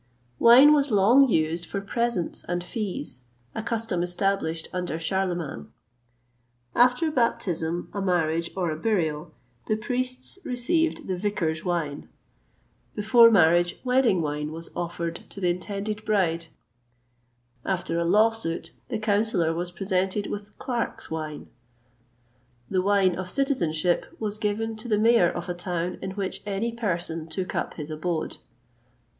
Wine was long used for presents and fees a custom established under Charlemagne. After a baptism, a marriage, or a burial, the priests received the vicar's wine; before marriage, wedding wine was offered to the intended bride; after a law suit, the counsellor was presented with clerk's wine; the wine of citizenship was given to the mayor of a town in which any person took up his abode.